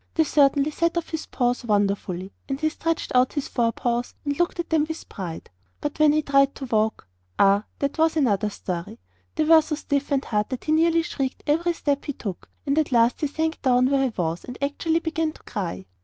They certainly set off his paws wonderfully, and he stretched out his forepaws and looked at them with pride. But when he tried to walk ah! that was another story! They were so stiff and hard that he nearly shrieked every step he took, and at last he sank down where he was, and actually began to cry.